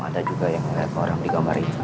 ada juga yang ngeliat orang di kamar itu